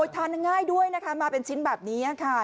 ทานง่ายด้วยนะคะมาเป็นชิ้นแบบนี้ค่ะ